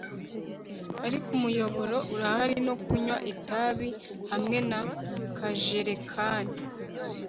Ariko umuyoboro urahari no kunywa itabi hamwe na kajerekani